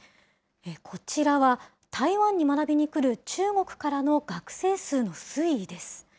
こちらは、台湾に学びに来る中国からの学生数の推移です。